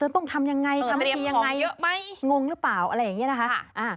ต้องทำอย่างไรทำทีอย่างไรงงหรือเปล่าอะไรอย่างนี้นะคะ